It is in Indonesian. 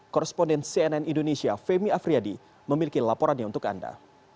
korresponden cnn indonesia femi afriyadi memiliki laporannya untuk anda